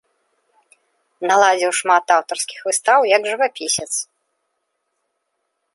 Наладзіў шмат аўтарскіх выстаў як жывапісец.